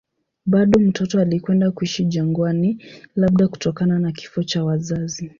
Bado mtoto alikwenda kuishi jangwani, labda kutokana na kifo cha wazazi.